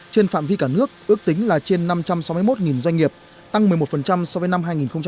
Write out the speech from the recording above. trên phạm vi cả nước ước tính là trên năm trăm sáu mươi một doanh nghiệp tăng một mươi một so với năm hai nghìn một mươi tám